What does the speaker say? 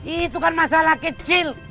itu kan masalah kecil